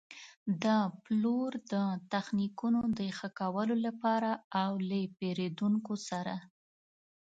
د پلور د تخنیکونو د ښه کولو لپاره او له پېرېدونکو سره.